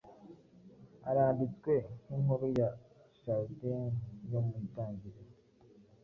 aranditswe nk inkuru ya Chaldaean yo mu Itangiriro